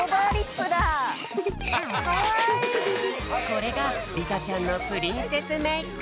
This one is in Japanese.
これがりたちゃんのプリンセスメーク！